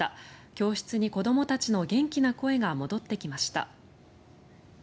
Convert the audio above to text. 教室に子どもたちの元気な声が戻ってきました。